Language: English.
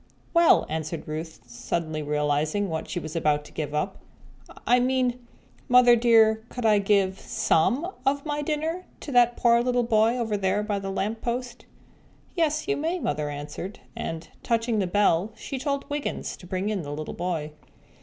"Well," answered Ruth, suddenly realizing what she was about to give up. "I mean, Mother dear, could I give some of my dinner to that poor little boy over there by the lamp post?" "Yes, you may," Mother answered, and, touching the bell, she told Wiggins to bring in the little boy.